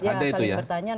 ada itu ya